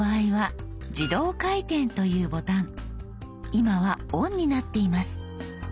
今は「ＯＮ」になっています。